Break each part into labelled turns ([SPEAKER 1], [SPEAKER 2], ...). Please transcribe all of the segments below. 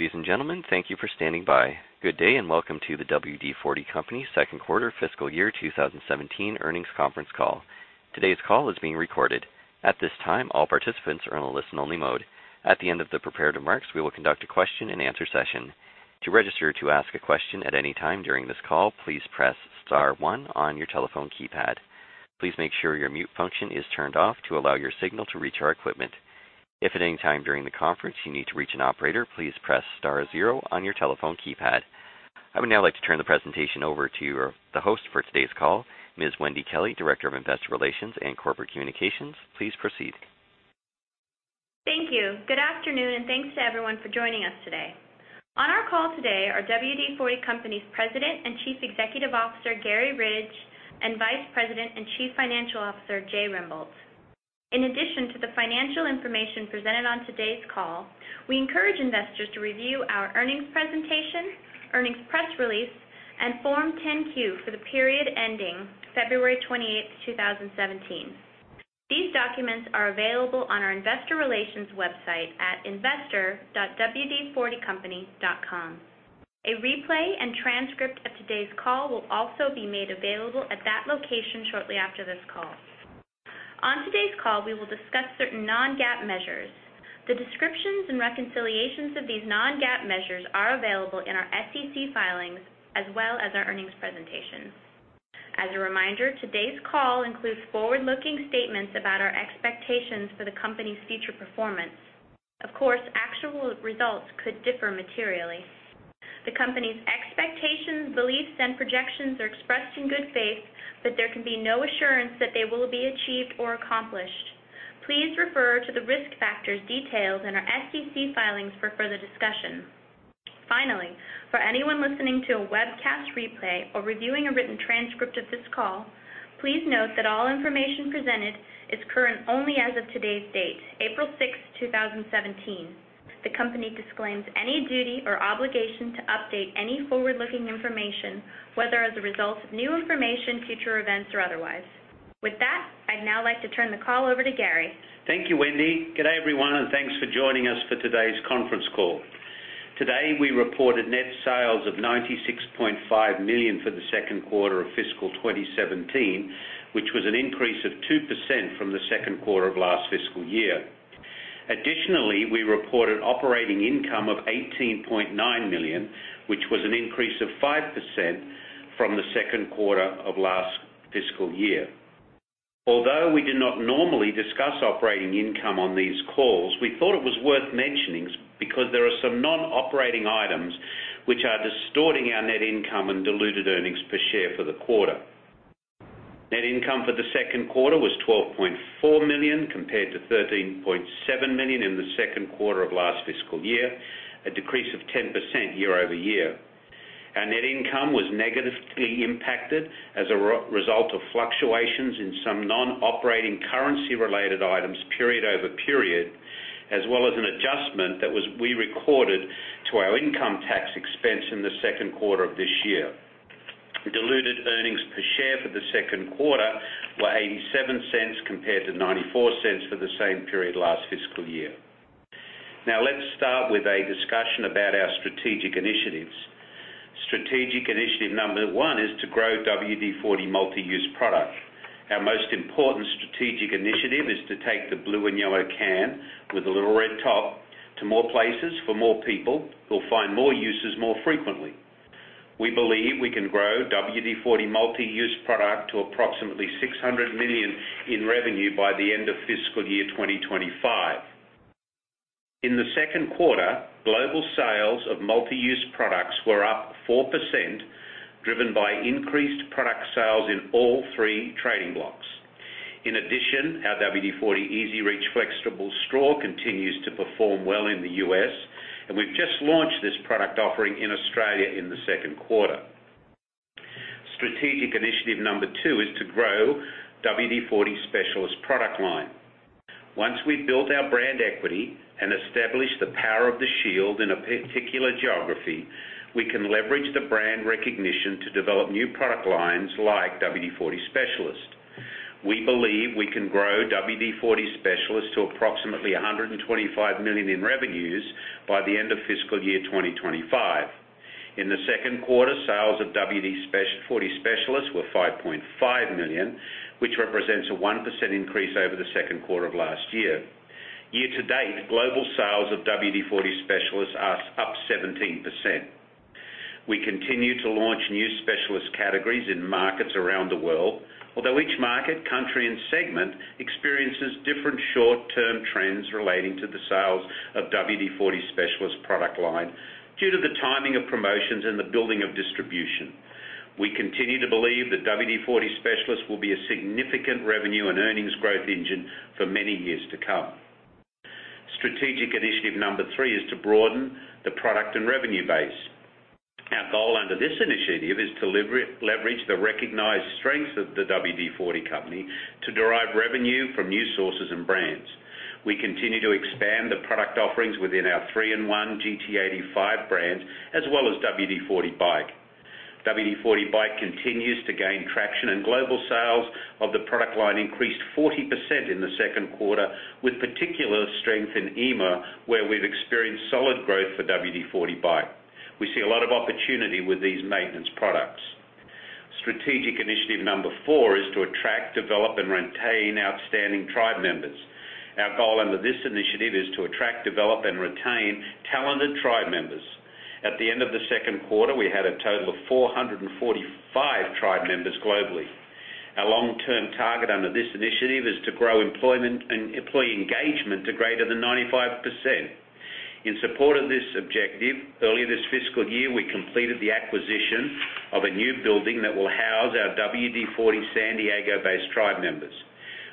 [SPEAKER 1] Ladies and gentlemen, thank you for standing by. Good day, and welcome to the WD-40 Company second quarter fiscal year 2017 earnings conference call. Today's call is being recorded. At this time, all participants are in a listen-only mode. At the end of the prepared remarks, we will conduct a question and answer session. To register to ask a question at any time during this call, please press star one on your telephone keypad. Please make sure your mute function is turned off to allow your signal to reach our equipment. If at any time during the conference you need to reach an operator, please press star zero on your telephone keypad. I would now like to turn the presentation over to the host for today's call, Ms. Wendy Kelley, Director of Investor Relations and Corporate Communications. Please proceed.
[SPEAKER 2] Thank you. Thanks to everyone for joining us today. On our call today are WD-40 Company's President and Chief Executive Officer, Garry Ridge, and Vice President and Chief Financial Officer, Jay Remple. In addition to the financial information presented on today's call, we encourage investors to review our earnings presentation, earnings press release, and Form 10-Q for the period ending February 28, 2017. These documents are available on our investor relations website at investor.wd40company.com. A replay and transcript of today's call will also be made available at that location shortly after this call. On today's call, we will discuss certain non-GAAP measures. The descriptions and reconciliations of these non-GAAP measures are available in our SEC filings, as well as our earnings presentations. As a reminder, today's call includes forward-looking statements about our expectations for the company's future performance. Of course, actual results could differ materially. The company's expectations, beliefs, and projections are expressed in good faith, there can be no assurance that they will be achieved or accomplished. Please refer to the risk factors detailed in our SEC filings for further discussion. Finally, for anyone listening to a webcast replay or reviewing a written transcript of this call, please note that all information presented is current only as of today's date, April 6th, 2017. The company disclaims any duty or obligation to update any forward-looking information, whether as a result of new information, future events, or otherwise. With that, I'd now like to turn the call over to Garry.
[SPEAKER 3] Thank you, Wendy. Good day, everyone, thanks for joining us for today's conference call. Today, we reported net sales of $96.5 million for the second quarter of fiscal 2017, which was an increase of 2% from the second quarter of last fiscal year. Additionally, we reported operating income of $18.9 million, which was an increase of 5% from the second quarter of last fiscal year. Although we do not normally discuss operating income on these calls, we thought it was worth mentioning because there are some non-operating items which are distorting our net income and diluted earnings per share for the quarter. Net income for the second quarter was $12.4 million compared to $13.7 million in the second quarter of last fiscal year, a decrease of 10% year-over-year. Our net income was negatively impacted as a result of fluctuations in some non-operating currency related items period over period, as well as an adjustment that we recorded to our income tax expense in the second quarter of this year. Diluted earnings per share for the second quarter were $0.87 compared to $0.94 for the same period last fiscal year. Let's start with a discussion about our strategic initiatives. Strategic initiative number one is to grow WD-40 Multi-Use Product. Our most important strategic initiative is to take the blue and yellow can with a little red top to more places for more people who'll find more uses more frequently. We believe we can grow WD-40 Multi-Use Product to approximately $600 million in revenue by the end of fiscal year 2025. In the second quarter, global sales of Multi-Use Products were up 4%, driven by increased product sales in all three trading blocks. In addition, our WD-40 EZ-REACH flexible straw continues to perform well in the U.S., and we've just launched this product offering in Australia in the second quarter. Strategic initiative number two is to grow WD-40 Specialist product line. Once we've built our brand equity and established the power of the shield in a particular geography, we can leverage the brand recognition to develop new product lines like WD-40 Specialist. We believe we can grow WD-40 Specialist to approximately $125 million in revenues by the end of fiscal year 2025. In the second quarter, sales of WD-40 Specialist were $5.5 million, which represents a 1% increase over the second quarter of last year. Year to date, global sales of WD-40 Specialist are up 17%. We continue to launch new Specialist categories in markets around the world. Although each market, country, and segment experiences different short-term trends relating to the sales of WD-40 Specialist product line due to the timing of promotions and the building of distribution. We continue to believe that WD-40 Specialist will be a significant revenue and earnings growth engine for many years to come. Strategic initiative number three is to broaden the product and revenue base. Our goal under this initiative is to leverage the recognized strengths of the WD-40 Company to derive revenue from new sources and brands. We continue to expand the product offerings within our 3-IN-ONE, GT85 brands, as well as WD-40 BIKE. WD-40 BIKE continues to gain traction, and global sales of the product line increased 40% in the second quarter, with particular strength in EIMEA, where we've experienced solid growth for WD-40 BIKE. We see a lot of opportunity with these maintenance products. Strategic initiative number four is to attract, develop, and retain outstanding tribe members. Our goal under this initiative is to attract, develop, and retain talented tribe members. At the end of the second quarter, we had a total of 445 tribe members globally. Our long-term target under this initiative is to grow employment and employee engagement to greater than 95%. In support of this objective, earlier this fiscal year, we completed the acquisition of a new building that will house our WD-40 San Diego-based tribe members.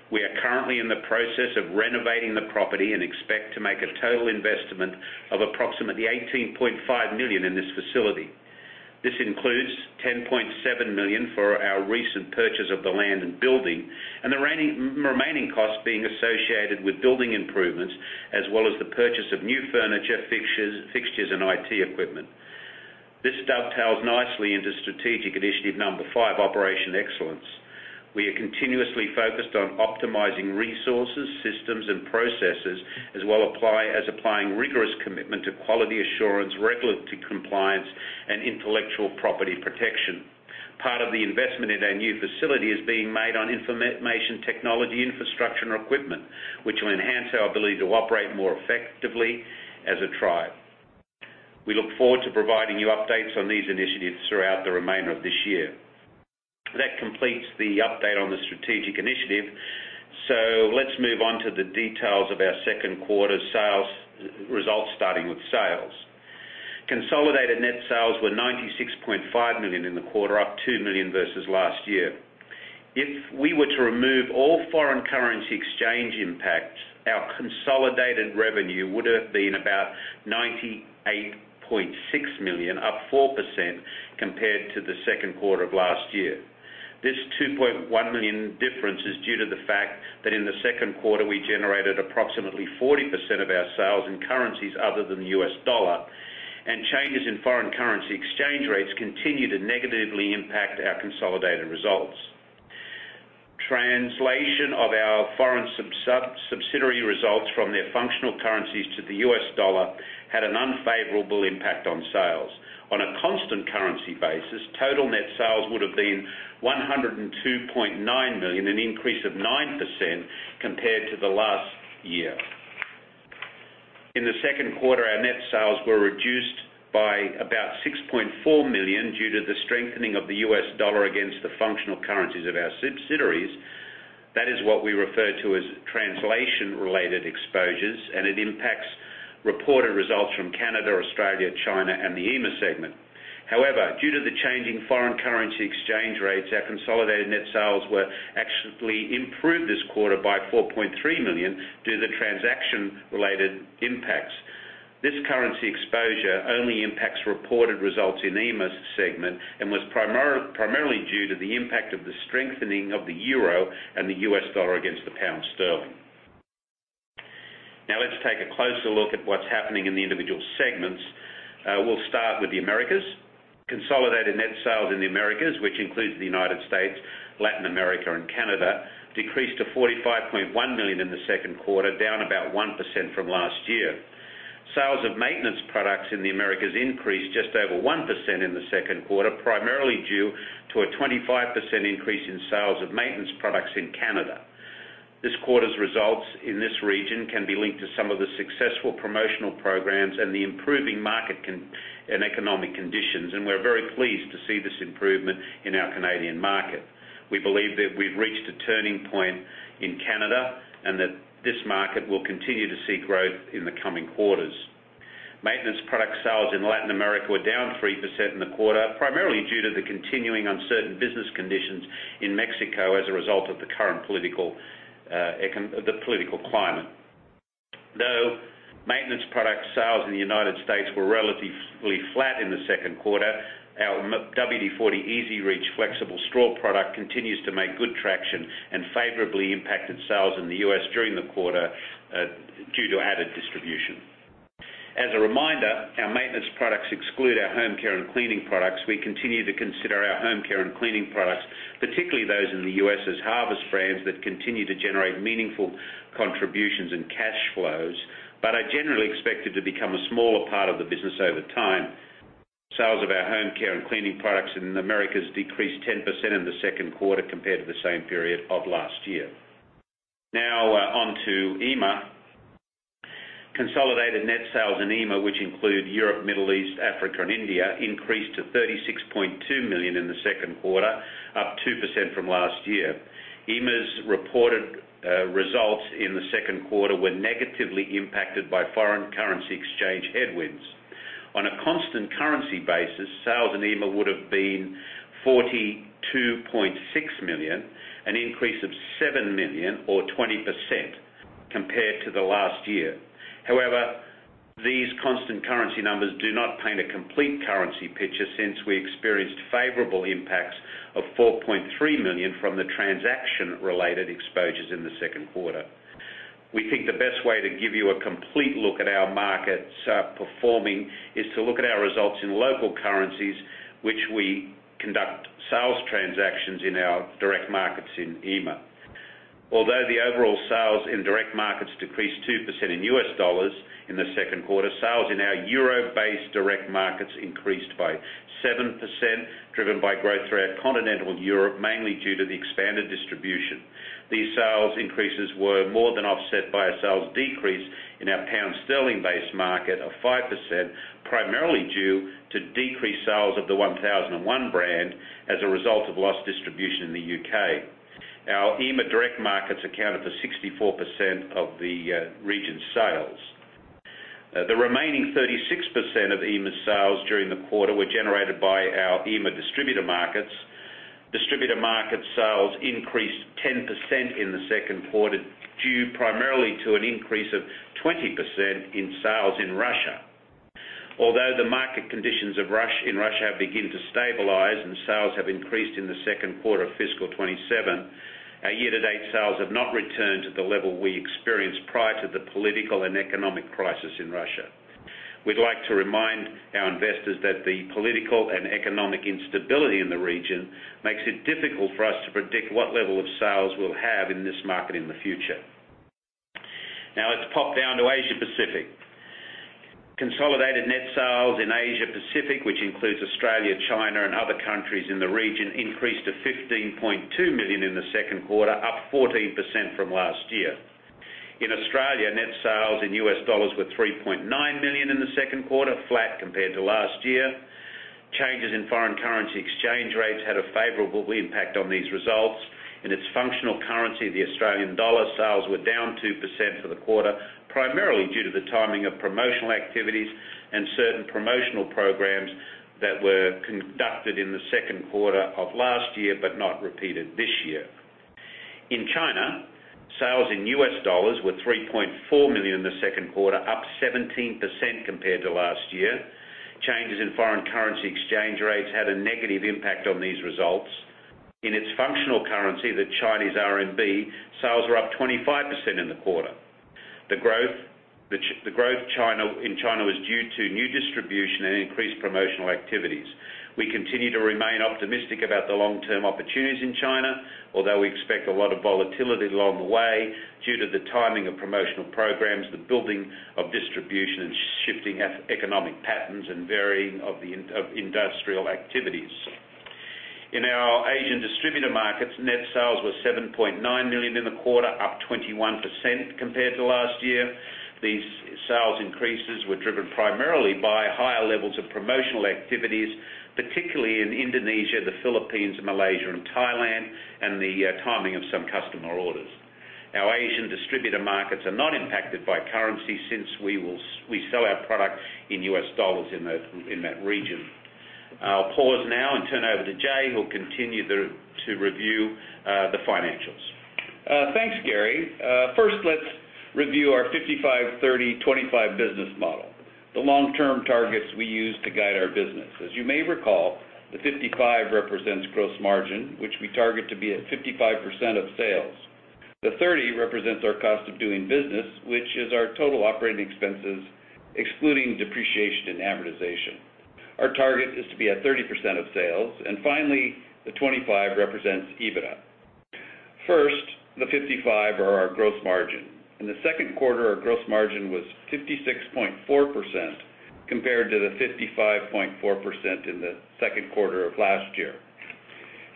[SPEAKER 3] We are currently in the process of renovating the property and expect to make a total investment of approximately $18.5 million in this facility. This includes $10.7 million for our recent purchase of the land and building, and the remaining costs being associated with building improvements as well as the purchase of new furniture, fixtures, and IT equipment. This dovetails nicely into strategic initiative number five, Operation Excellence. We are continuously focused on optimizing resources, systems, and processes as well as applying rigorous commitment to quality assurance, regulatory compliance, and intellectual property protection. Part of the investment in our new facility is being made on information technology infrastructure and equipment, which will enhance our ability to operate more effectively as a tribe. We look forward to providing you updates on these initiatives throughout the remainder of this year. That completes the update on the strategic initiative. Let's move on to the details of our second quarter sales results, starting with sales. Consolidated net sales were $96.5 million in the quarter, up $2 million versus last year. If we were to remove all foreign currency exchange impacts, our consolidated revenue would have been about $98.6 million, up 4% compared to the second quarter of last year. This $2.1 million difference is due to the fact that in the second quarter, we generated approximately 40% of our sales in currencies other than the U.S. dollar, and changes in foreign currency exchange rates continue to negatively impact our consolidated results. Translation of our foreign subsidiary results from their functional currencies to the U.S. dollar had an unfavorable impact on sales. On a constant currency basis, total net sales would have been $102.9 million, an increase of 9% compared to the last year. In the second quarter, our net sales were reduced by about $6.4 million due to the strengthening of the U.S. dollar against the functional currencies of our subsidiaries. That is what we refer to as translation-related exposures, and it impacts reported results from Canada, Australia, China, and the EIMEA segment. However, due to the change in foreign currency exchange rates, our consolidated net sales were actually improved this quarter by $4.3 million due to transaction-related impacts. This currency exposure only impacts reported results in EIMEA's segment and was primarily due to the impact of the strengthening of the euro and the U.S. dollar against the pound sterling. Let's take a closer look at what's happening in the individual segments. We'll start with the Americas. Consolidated net sales in the Americas, which includes the U.S., Latin America, and Canada, decreased to $45.1 million in the second quarter, down about 1% from last year. Sales of maintenance products in the Americas increased just over 1% in the second quarter, primarily due to a 25% increase in sales of maintenance products in Canada. This quarter's results in this region can be linked to some of the successful promotional programs and the improving market and economic conditions, and we're very pleased to see this improvement in our Canadian market. We believe that we've reached a turning point in Canada, and that this market will continue to see growth in the coming quarters. Maintenance product sales in Latin America were down 3% in the quarter, primarily due to the continuing uncertain business conditions in Mexico as a result of the current political climate. Though maintenance product sales in the U.S. were relatively flat in the second quarter, our WD-40 EZ-REACH flexible straw product continues to make good traction and favorably impacted sales in the U.S. during the quarter due to added distribution. As a reminder, our maintenance products exclude our home care and cleaning products. We continue to consider our home care and cleaning products, particularly those in the U.S., as harvest brands that continue to generate meaningful contributions and cash flows, but are generally expected to become a smaller part of the business over time. Sales of our home care and cleaning products in the Americas decreased 10% in the second quarter compared to the same period of last year. Now on to EMEA. Consolidated net sales in EMEA, which include Europe, Middle East, Africa, and India, increased to $36.2 million in the second quarter, up 2% from last year. EMEA's reported results in the second quarter were negatively impacted by foreign currency exchange headwinds. On a constant currency basis, sales in EMEA would have been $42.6 million, an increase of $7 million or 20% compared to last year. However, these constant currency numbers do not paint a complete currency picture since we experienced favorable impacts of $4.3 million from the transaction-related exposures in the second quarter. We think the best way to give you a complete look at our markets performing is to look at our results in local currencies, which we conduct sales transactions in our direct markets in EMEA. Although the overall sales in direct markets decreased 2% in U.S. dollars in the second quarter, sales in our euro-based direct markets increased by 7%, driven by growth throughout continental Europe, mainly due to the expanded distribution. These sales increases were more than offset by a sales decrease in our pound sterling-based market of 5%, primarily due to decreased sales of the 1001 brand as a result of lost distribution in the U.K. Our EMEA direct markets accounted for 64% of the region's sales. The remaining 36% of EMEA sales during the quarter were generated by our EMEA distributor markets. Distributor market sales increased 10% in the second quarter, due primarily to an increase of 20% in sales in Russia. Although the market conditions in Russia have begun to stabilize and sales have increased in the second quarter of fiscal 2017, our year-to-date sales have not returned to the level we experienced prior to the political and economic crisis in Russia. We'd like to remind our investors that the political and economic instability in the region makes it difficult for us to predict what level of sales we'll have in this market in the future. Now let's pop down to Asia Pacific. Consolidated net sales in Asia Pacific, which includes Australia, China, and other countries in the region, increased to $15.2 million in the second quarter, up 14% from last year. In Australia, net sales in U.S. dollars were $3.9 million in the second quarter, flat compared to last year. Changes in foreign currency exchange rates had a favorable impact on these results. In its functional currency, the Australian dollar, sales were down 2% for the quarter, primarily due to the timing of promotional activities and certain promotional programs that were conducted in the second quarter of last year but not repeated this year. In China, sales in U.S. dollars were $3.4 million in the second quarter, up 17% compared to last year. Changes in foreign currency exchange rates had a negative impact on these results. In its functional currency, the Chinese CNY, sales were up 25% in the quarter. The growth in China was due to new distribution and increased promotional activities. We continue to remain optimistic about the long-term opportunities in China, although we expect a lot of volatility along the way due to the timing of promotional programs, the building of distribution, and shifting economic patterns and varying of industrial activities. In our Asian distributor markets, net sales were $7.9 million in the quarter, up 21% compared to last year. These sales increases were driven primarily by higher levels of promotional activities, particularly in Indonesia, the Philippines, Malaysia, and Thailand, and the timing of some customer orders. Our Asian distributor markets are not impacted by currency since we sell our product in U.S. dollars in that region. I'll pause now and turn over to Jay, who'll continue to review the financials.
[SPEAKER 4] Thanks, Garry. First, let's review our 55/30/25 business model, the long-term targets we use to guide our business. As you may recall, the 55 represents gross margin, which we target to be at 55% of sales. The 30 represents our cost of doing business, which is our total operating expenses, excluding depreciation and amortization. Our target is to be at 30% of sales. Finally, the 25 represents EBITDA. First, the 55 are our gross margin. In the second quarter, our gross margin was 56.4% compared to the 55.4% in the second quarter of last year.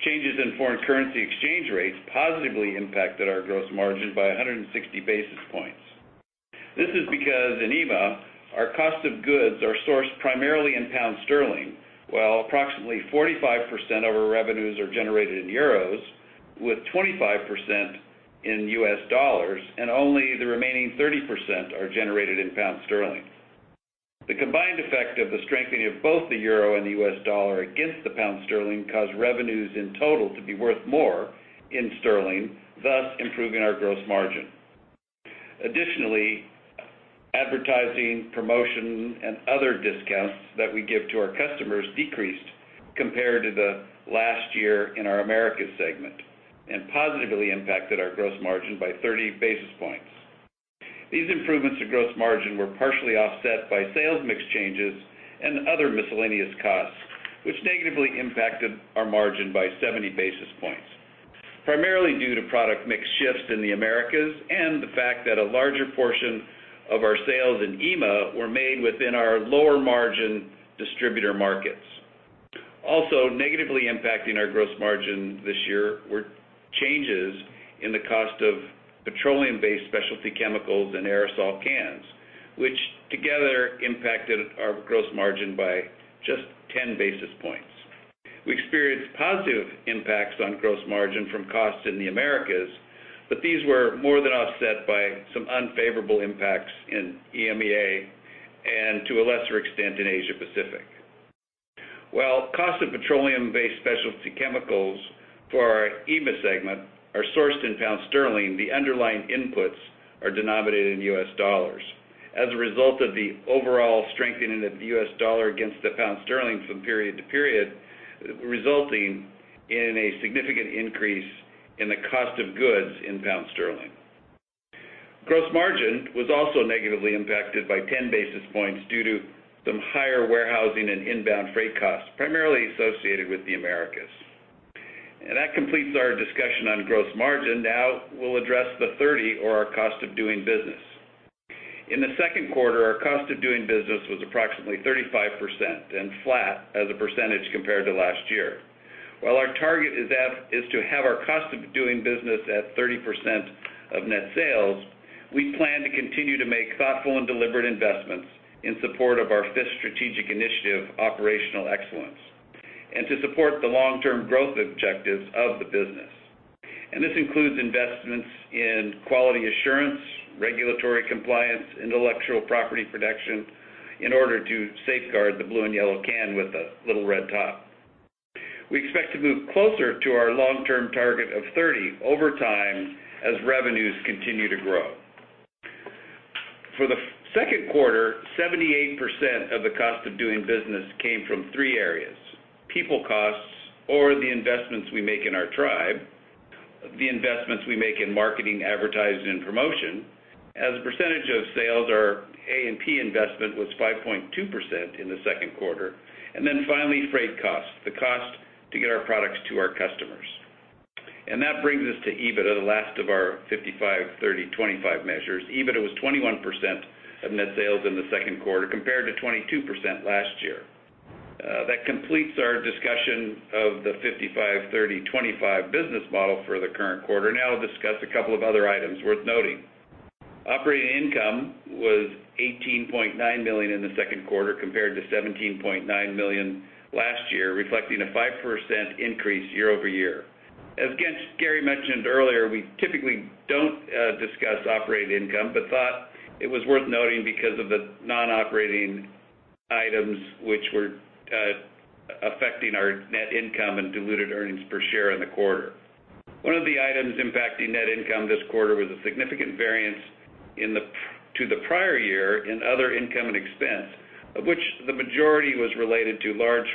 [SPEAKER 4] Changes in foreign currency exchange rates positively impacted our gross margin by 160 basis points. This is because in EIMEA, our cost of goods are sourced primarily in GBP, while approximately 45% of our revenues are generated in EUR, with 25% in U.S. dollars, and only the remaining 30% are generated in GBP. The combined effect of the strengthening of both the EUR and the U.S. dollar against the GBP caused revenues in total to be worth more in GBP, thus improving our gross margin. Additionally, advertising, promotion, and other discounts that we give to our customers decreased compared to the last year in our Americas segment and positively impacted our gross margin by 30 basis points. These improvements to gross margin were partially offset by sales mix changes and other miscellaneous costs, which negatively impacted our margin by 70 basis points, primarily due to product mix shifts in the Americas and the fact that a larger portion of our sales in EIMEA were made within our lower margin distributor markets. Also negatively impacting our gross margin this year were changes in the cost of petroleum-based specialty chemicals and aerosol cans, which together impacted our gross margin by just 10 basis points. We experienced positive impacts on gross margin from costs in the Americas, but these were more than offset by some unfavorable impacts in EIMEA and to a lesser extent in Asia Pacific. While cost of petroleum-based specialty chemicals for our EIMEA segment are sourced in pound sterling, the underlying inputs are denominated in US dollars. As a result of the overall strengthening of the U.S. dollar against the pound sterling from period to period, resulting in a significant increase in the cost of goods in pound sterling. Gross margin was also negatively impacted by 10 basis points due to some higher warehousing and inbound freight costs, primarily associated with the Americas. That completes our discussion on gross margin. Now we'll address the 30% or our cost of doing business. In the second quarter, our cost of doing business was approximately 35% and flat as a percentage compared to last year. While our target is to have our cost of doing business at 30% of net sales, we plan to continue to make thoughtful and deliberate investments in support of our fifth strategic initiative, operational excellence, and to support the long-term growth objectives of the business. This includes investments in quality assurance, regulatory compliance, intellectual property protection, in order to safeguard the blue and yellow can with a little red top. We expect to move closer to our long-term target of 30% over time as revenues continue to grow. For the second quarter, 78% of the cost of doing business came from three areas. People costs or the investments we make in our tribe, the investments we make in marketing, advertising, and promotion. As a percentage of sales, our A&P investment was 5.2% in the second quarter. Finally, freight costs, the cost to get our products to our customers. That brings us to EBITDA, the last of our 55/30/25 measures. EBITDA was 21% of net sales in the second quarter compared to 22% last year. That completes our discussion of the 55/30/25 business model for the current quarter. Now I'll discuss a couple of other items worth noting. Operating income was $18.9 million in the second quarter compared to $17.9 million last year, reflecting a 5% increase year-over-year. As Garry mentioned earlier, we typically don't discuss operating income, but thought it was worth noting because of the non-operating items which were affecting our net income and diluted earnings per share in the quarter. One of the items impacting net income this quarter was a significant variance to the prior year in other income and expense, of which the majority was related to large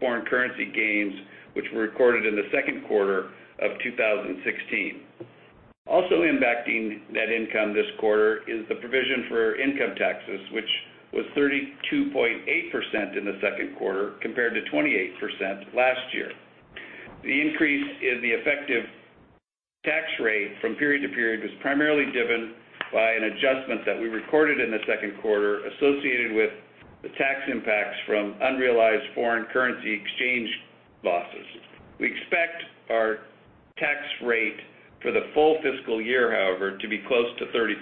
[SPEAKER 4] foreign currency gains, which were recorded in the second quarter of 2016. Also impacting net income this quarter is the provision for income taxes, which was 32.8% in the second quarter compared to 28% last year. The increase in the effective tax rate from period to period was primarily driven by an adjustment that we recorded in the second quarter associated with the tax impacts from unrealized foreign currency exchange losses. We expect our tax rate for the full fiscal year, however, to be close to 30%.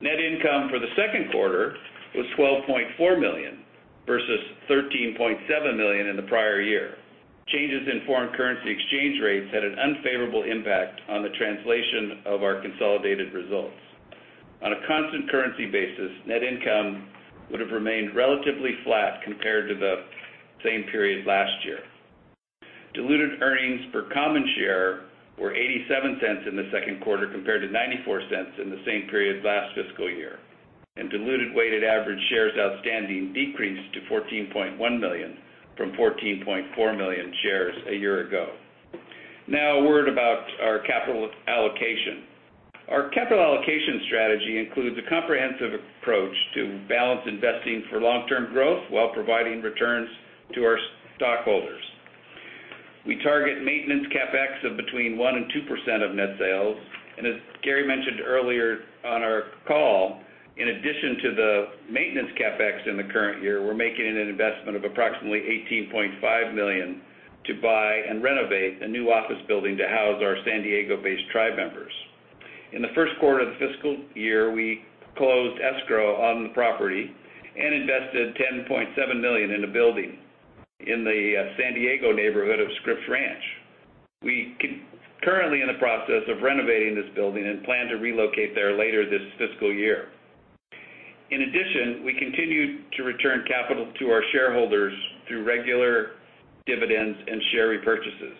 [SPEAKER 4] Net income for the second quarter was $12.4 million versus $13.7 million in the prior year. Changes in foreign currency exchange rates had an unfavorable impact on the translation of our consolidated results. On a constant currency basis, net income would have remained relatively flat compared to the same period last year. Diluted earnings per common share were $0.87 in the second quarter compared to $0.94 in the same period last fiscal year, and diluted weighted average shares outstanding decreased to 14.1 million from 14.4 million shares a year ago. Now, a word about our capital allocation. Our capital allocation strategy includes a comprehensive approach to balance investing for long-term growth while providing returns to our stockholders. We target maintenance CapEx of between 1% and 2% of net sales. As Garry mentioned earlier on our call, in addition to the maintenance CapEx in the current year, we're making an investment of approximately $18.5 million to buy and renovate a new office building to house our San Diego-based tribe members. In the first quarter of the fiscal year, we closed escrow on the property and invested $10.7 million in a building in the San Diego neighborhood of Scripps Ranch. We are currently in the process of renovating this building and plan to relocate there later this fiscal year. In addition, we continue to return capital to our shareholders through regular dividends and share repurchases.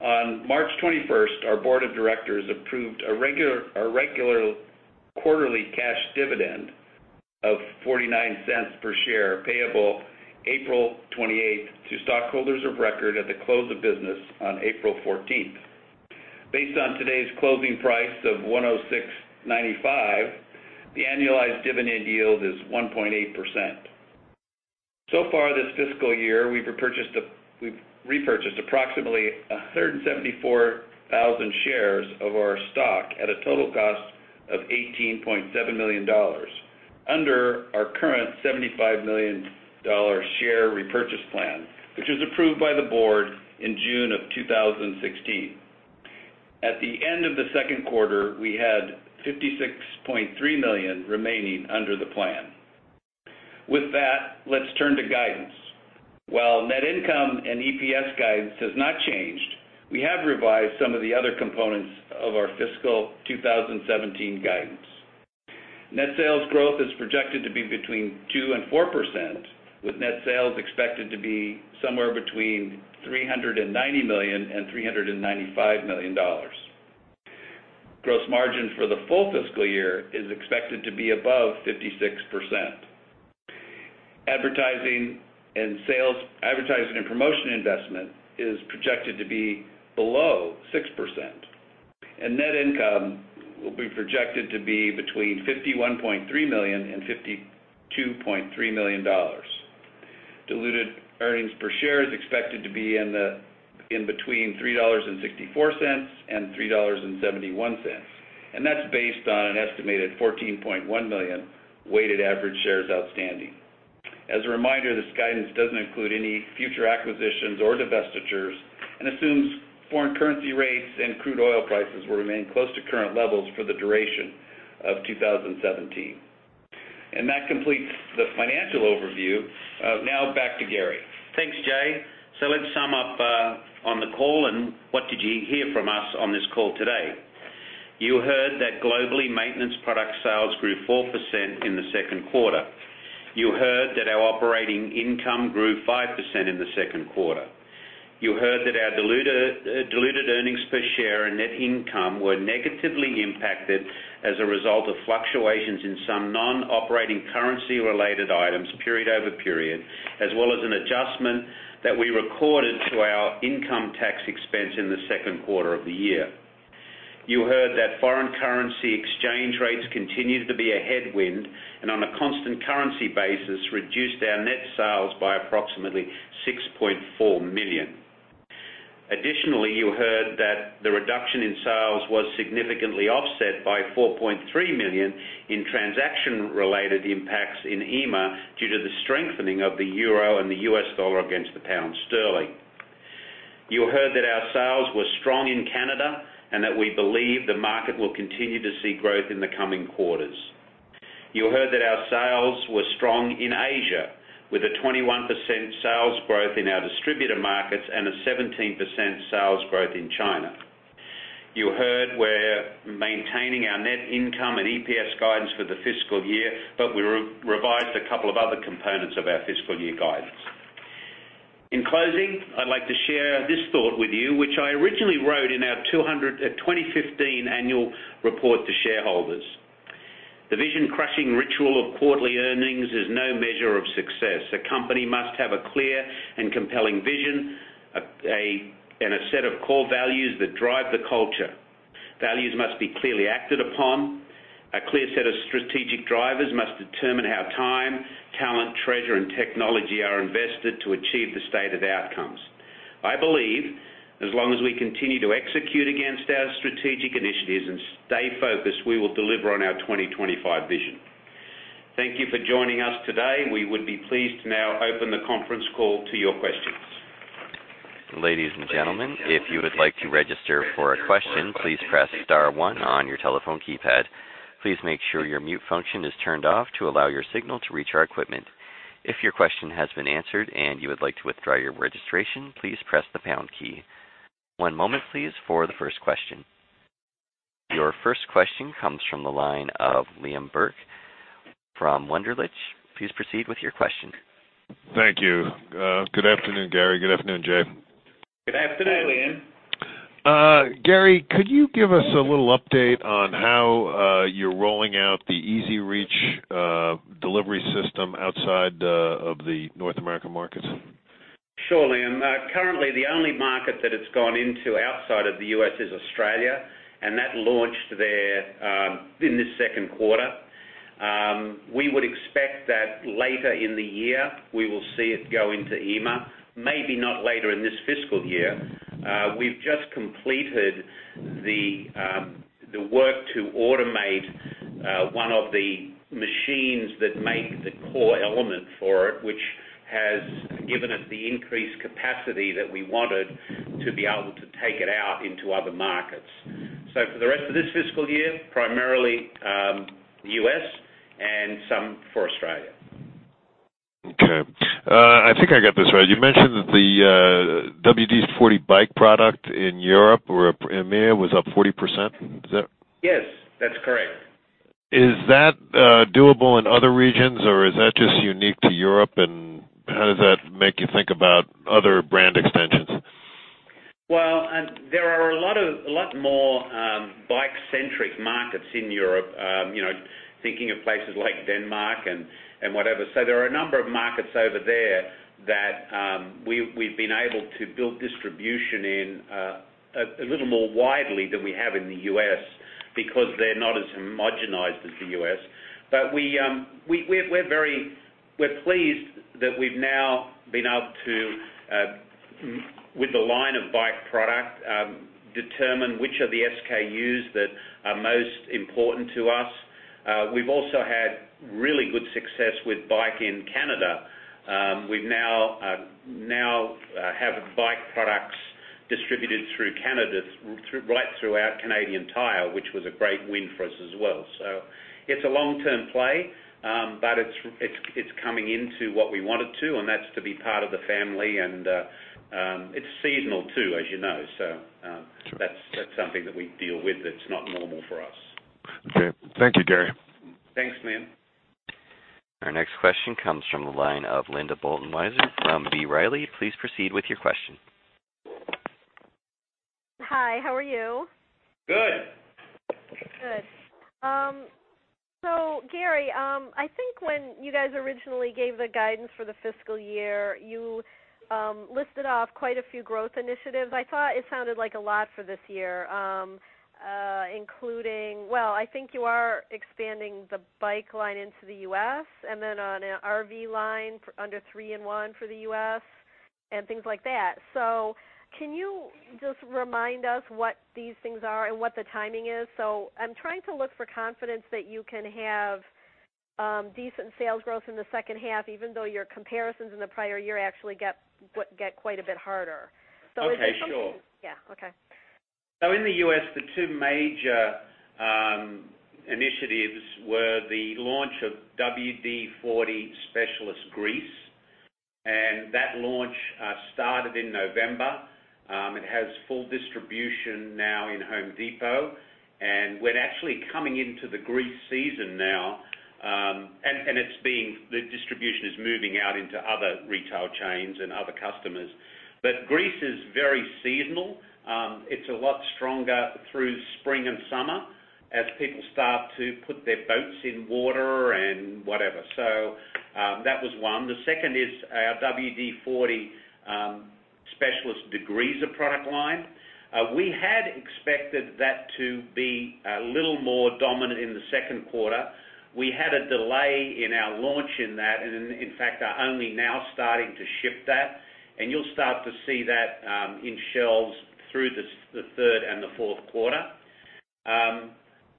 [SPEAKER 4] On March 21st, our board of directors approved our regular quarterly cash dividend of $0.49 per share, payable April 28th to stockholders of record at the close of business on April 14th. Based on today's closing price of $106.95, the annualized dividend yield is 1.8%. Far this fiscal year, we've repurchased approximately 174,000 shares of our stock at a total cost of $18.7 million under our current $75 million share repurchase plan, which was approved by the board in June of 2016. At the end of the second quarter, we had $56.3 million remaining under the plan. With that, let's turn to guidance. While net income and EPS guidance has not changed, we have revised some of the other components of our fiscal 2017 guidance. Net sales growth is projected to be between 2% and 4%, with net sales expected to be somewhere between $390 million and $395 million. Gross margin for the full fiscal year is expected to be above 56%. Advertising and promotion investment is projected to be below 6%. Net income will be projected to be between $51.3 million and $52.3 million. Diluted earnings per share is expected to be in between $3.64 and $3.71. That's based on an estimated 14.1 million weighted average shares outstanding. As a reminder, this guidance doesn't include any future acquisitions or divestitures and assumes foreign currency rates and crude oil prices will remain close to current levels for the duration of 2017. That completes the financial overview. Now back to Garry.
[SPEAKER 3] Thanks, Jay. Let's sum up on the call, and what did you hear from us on this call today? You heard that globally, maintenance product sales grew 4% in the second quarter. You heard that our operating income grew 5% in the second quarter. You heard that our diluted earnings per share and net income were negatively impacted as a result of fluctuations in some non-operating currency related items period over period, as well as an adjustment that we recorded to our income tax expense in the second quarter of the year. You heard that foreign currency exchange rates continued to be a headwind and on a constant currency basis, reduced our net sales by approximately $6.4 million. Additionally, you heard that the reduction in sales was significantly offset by $4.3 million in transaction-related impacts in EIMEA due to the strengthening of the euro and the US dollar against the pound sterling. You heard that our sales were strong in Canada and that we believe the market will continue to see growth in the coming quarters. You heard that our sales were strong in Asia with a 21% sales growth in our distributor markets and a 17% sales growth in China. You heard we're maintaining our net income and EPS guidance for the fiscal year, but we revised a couple of other components of our fiscal year guidance. In closing, I'd like to share this thought with you, which I originally wrote in our 2015 annual report to shareholders. The vision crushing ritual of quarterly earnings is no measure of success. A company must have a clear and compelling vision and a set of core values that drive the culture. Values must be clearly acted upon. A clear set of strategic drivers must determine how time, talent, treasure, and technology are invested to achieve the stated outcomes. I believe as long as we continue to execute against our strategic initiatives and stay focused, we will deliver on our 2025 vision. Thank you for joining us today. We would be pleased to now open the conference call to your questions.
[SPEAKER 1] Ladies and gentlemen, if you would like to register for a question, please press star one on your telephone keypad. Please make sure your mute function is turned off to allow your signal to reach our equipment. If your question has been answered and you would like to withdraw your registration, please press the pound key. One moment, please, for the first question. Your first question comes from the line of Liam Burke from Wunderlich. Please proceed with your question.
[SPEAKER 5] Thank you. Good afternoon, Garry. Good afternoon, Jay.
[SPEAKER 3] Good afternoon, Liam.
[SPEAKER 5] Garry, could you give us a little update on how you're rolling out the EZ-REACH delivery system outside of the North American markets?
[SPEAKER 3] Sure, Liam. Currently, the only market that it's gone into outside of the U.S. is Australia, and that launched there in this second quarter. We would expect that later in the year, we will see it go into EIMEA, maybe not later in this fiscal year. We've just completed the work to automate one of the machines that make the core element for it, which has given us the increased capacity that we wanted to be able to take it out into other markets. For the rest of this fiscal year, primarily, the U.S. and some for Australia.
[SPEAKER 5] Okay. I think I got this right. You mentioned that the WD-40 BIKE product in Europe or EIMEA was up 40%. Is that-
[SPEAKER 3] Yes, that's correct.
[SPEAKER 5] Is that doable in other regions, or is that just unique to Europe? How does that make you think about other brand extensions?
[SPEAKER 3] Well, there are a lot more bike-centric markets in Europe, thinking of places like Denmark and whatever. There are a number of markets over there that we've been able to build distribution in a little more widely than we have in the U.S. because they're not as homogenized as the U.S. We're pleased that we've now been able to, with the line of bike product, determine which of the SKUs that are most important to us. We've also had really good success with bike in Canada. We now have bike products distributed through Canada, right throughout Canadian Tire, which was a great win for us as well. It's a long-term play, but it's coming into what we want it to, and that's to be part of the family, and it's seasonal too, as you know. That's something that we deal with that's not normal for us.
[SPEAKER 5] Okay. Thank you, Garry.
[SPEAKER 3] Thanks, Liam.
[SPEAKER 1] Our next question comes from the line of Linda Bolton-Weiser from B. Riley. Please proceed with your question.
[SPEAKER 6] Hi, how are you?
[SPEAKER 3] Good.
[SPEAKER 6] Garry, I think when you guys originally gave the guidance for the fiscal year, you listed off quite a few growth initiatives. I thought it sounded like a lot for this year, including I think you are expanding the WD-40 BIKE line into the U.S., and then on an RV line under 3-IN-ONE for the U.S., and things like that. Can you just remind us what these things are and what the timing is? I'm trying to look for confidence that you can have decent sales growth in the second half, even though your comparisons in the prior year actually get quite a bit harder. Is there something.
[SPEAKER 3] Okay, sure.
[SPEAKER 6] Yeah. Okay.
[SPEAKER 3] In the U.S., the two major initiatives were the launch of WD-40 Specialist Grease. That launch started in November. It has full distribution now in The Home Depot, and we're actually coming into the grease season now. The distribution is moving out into other retail chains and other customers. Grease is very seasonal. It's a lot stronger through spring and summer as people start to put their boats in water and whatever. That was one. The second is our WD-40 Specialist Degreaser product line. We had expected that to be a little more dominant in the second quarter. We had a delay in our launch in that, and in fact are only now starting to ship that. You'll start to see that in shelves through the third and the fourth quarter.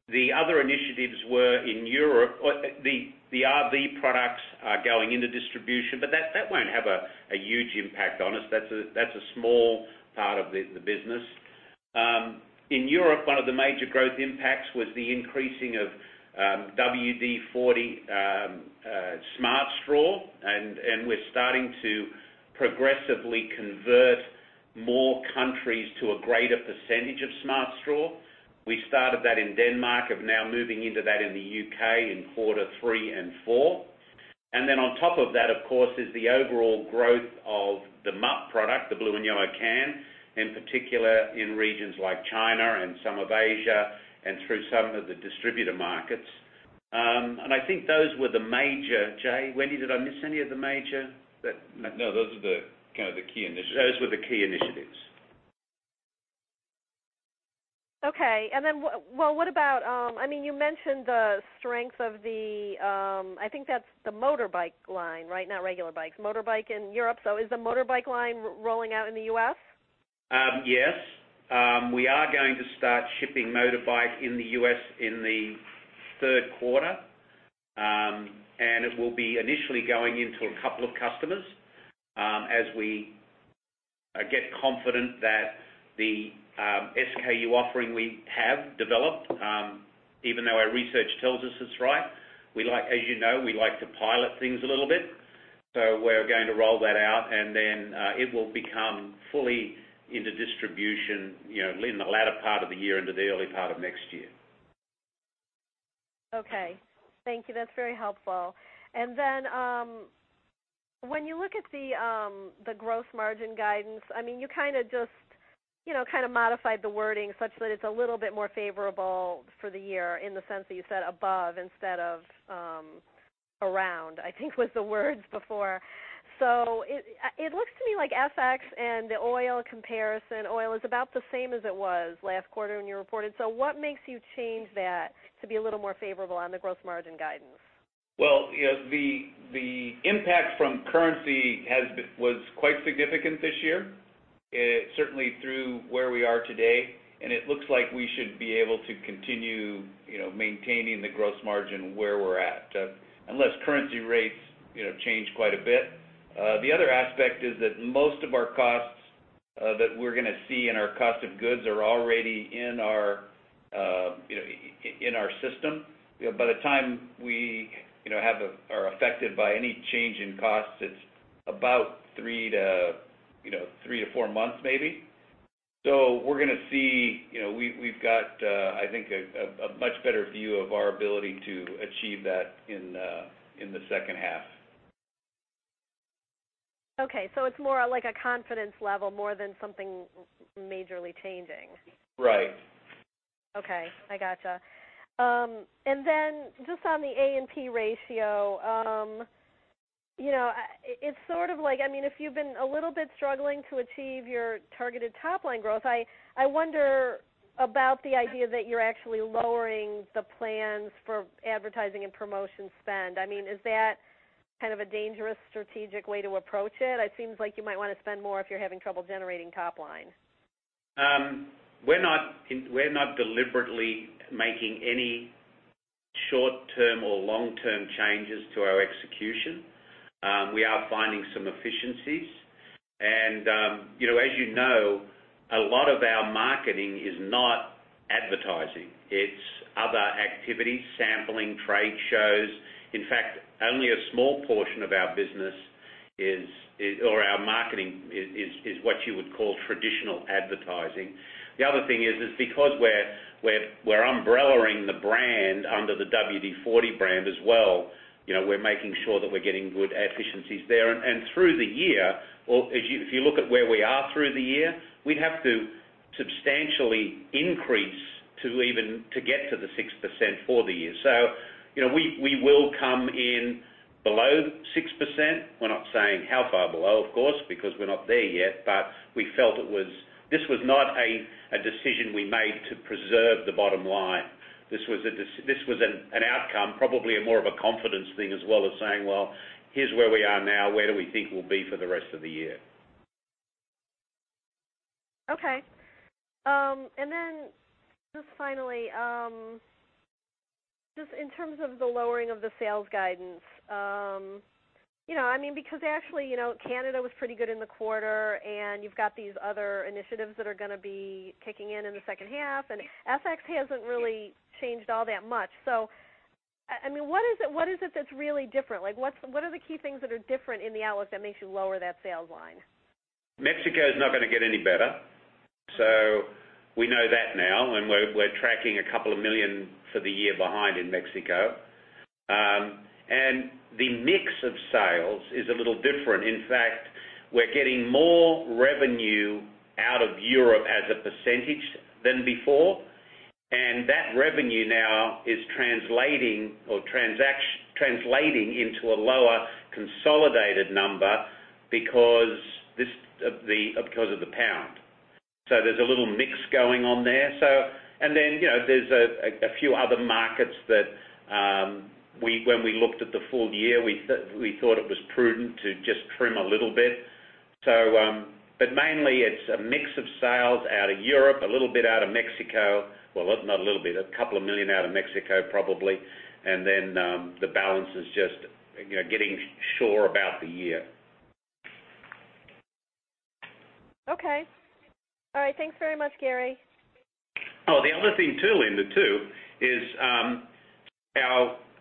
[SPEAKER 3] The other initiatives were in Europe. The RV products are going into distribution, That won't have a huge impact on us. That's a small part of the business. In Europe, one of the major growth impacts was the increasing of WD-40 Smart Straw, We're starting to progressively convert more countries to a greater percentage of Smart Straw. We started that in Denmark, and now moving into that in the U.K. in quarter three and four. Then on top of that, of course, is the overall growth of the Multi-Use Product, the blue and yellow can, in particular in regions like China and some of Asia and through some of the distributor markets. I think those were the major. Jay, Wendy, did I miss any of the major?
[SPEAKER 4] No, those are the key initiatives.
[SPEAKER 3] Those were the key initiatives.
[SPEAKER 6] Okay. Then, you mentioned the strength of the motorbike line, right? Not regular bikes. Motorbike in Europe. Is the motorbike line rolling out in the U.S.?
[SPEAKER 3] Yes. We are going to start shipping motorbike in the U.S. in the third quarter. It will be initially going into a couple of customers. As we get confident that the SKU offering we have developed, even though our research tells us it's right, as you know, we like to pilot things a little bit. We're going to roll that out and then it will become fully into distribution in the latter part of the year into the early part of next year.
[SPEAKER 6] Okay. Thank you. That's very helpful. When you look at the gross margin guidance, you kind of modified the wording such that it's a little bit more favorable for the year in the sense that you said above instead of around, I think, was the words before. It looks to me like FX and the oil comparison. Oil is about the same as it was last quarter when you reported. What makes you change that to be a little more favorable on the gross margin guidance?
[SPEAKER 3] Well, the impact from currency was quite significant this year. Certainly through where we are today, and it looks like we should be able to continue maintaining the gross margin where we're at, unless currency rates change quite a bit. The other aspect is that most of our costs that we're going to see in our cost of goods are already in our system. By the time we are affected by any change in costs, it's about three to four months maybe. We've got I think a much better view of our ability to achieve that in the second half.
[SPEAKER 6] Okay, it's more like a confidence level more than something majorly changing.
[SPEAKER 3] Right.
[SPEAKER 6] Okay. I gotcha. Just on the A&P ratio. If you've been a little bit struggling to achieve your targeted top-line growth, I wonder about the idea that you're actually lowering the plans for advertising and promotion spend. Is that kind of a dangerous strategic way to approach it? It seems like you might want to spend more if you're having trouble generating top line.
[SPEAKER 3] We're not deliberately making any short-term or long-term changes to our execution. We are finding some efficiencies. As you know, a lot of our marketing, it's other activities, sampling, trade shows. In fact, only a small portion of our business or our marketing is what you would call traditional advertising. The other thing is because we're umbrella-ing the brand under the WD-40 brand as well, we're making sure that we're getting good efficiencies there. Through the year, or if you look at where we are through the year, we'd have to substantially increase to even get to the 6% for the year. We will come in below 6%. We're not saying how far below, of course, because we're not there yet, but this was not a decision we made to preserve the bottom line. This was an outcome, probably more of a confidence thing as well as saying, "Well, here's where we are now. Where do we think we'll be for the rest of the year?
[SPEAKER 6] Okay. Just finally, just in terms of the lowering of the sales guidance. Actually, Canada was pretty good in the quarter, and you've got these other initiatives that are going to be kicking in in the second half, and FX hasn't really changed all that much. What is it that's really different? What are the key things that are different in the outlook that makes you lower that sales line?
[SPEAKER 3] Mexico is not going to get any better. We know that now, and we're tracking a couple of million for the year behind in Mexico. The mix of sales is a little different. In fact, we're getting more revenue out of Europe as a percentage than before, and that revenue now is translating into a lower consolidated number because of the GBP. There's a little mix going on there. Then, there's a few other markets that when we looked at the full year, we thought it was prudent to just trim a little bit. Mainly, it's a mix of sales out of Europe, a little bit out of Mexico. Well, not a little bit, a couple of million out of Mexico probably. Then, the balance is just getting sure about the year.
[SPEAKER 6] Okay. All right. Thanks very much, Garry.
[SPEAKER 3] The other thing, too, Linda, too, is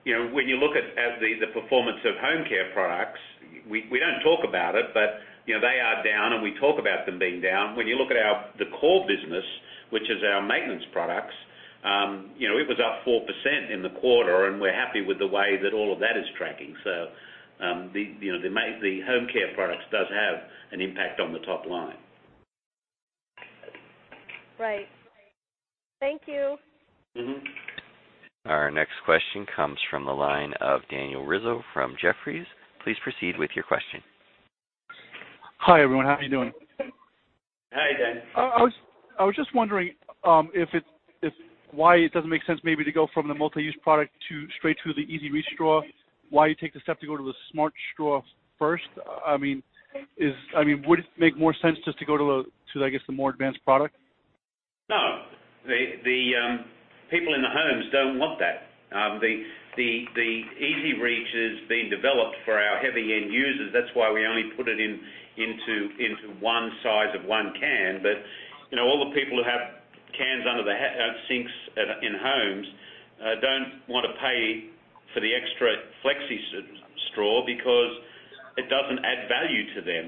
[SPEAKER 3] when you look at the performance of home care products, we don't talk about it, but they are down, and we talk about them being down. When you look at the core business, which is our maintenance products, it was up 4% in the quarter, and we're happy with the way that all of that is tracking. The home care products does have an impact on the top line.
[SPEAKER 6] Right. Thank you.
[SPEAKER 1] Our next question comes from the line of Daniel Rizzo from Jefferies. Please proceed with your question.
[SPEAKER 7] Hi, everyone. How are you doing?
[SPEAKER 3] Hi, Dan.
[SPEAKER 7] I was just wondering why it doesn't make sense maybe to go from the Multi-Use Product straight to the EZ-REACH straw. Why you take the step to go to the Smart Straw first? Would it make more sense just to go to, I guess, the more advanced product?
[SPEAKER 3] No. The people in the homes don't want that. The EZ-REACH has been developed for our heavy-end users. That's why we only put it into one size of one can. All the people who have cans under the sinks in homes don't want to pay for the extra Flexi Straw because it doesn't add value to them.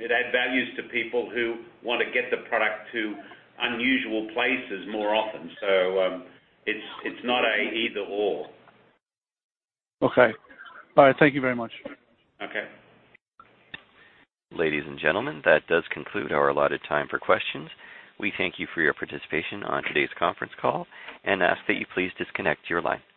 [SPEAKER 3] It adds value to people who want to get the product to unusual places more often. It's not an either/or.
[SPEAKER 7] Okay. All right. Thank you very much.
[SPEAKER 3] Okay.
[SPEAKER 1] Ladies and gentlemen, that does conclude our allotted time for questions. We thank you for your participation on today's conference call and ask that you please disconnect your line.